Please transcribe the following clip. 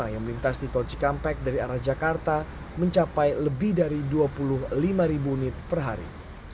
yang melintas di tol cikampek dari arah jakarta mencapai lebih dari dua puluh lima ribu unit per hari